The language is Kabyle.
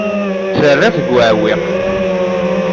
Terra-t deg uɛewwiq.